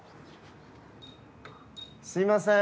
すいません。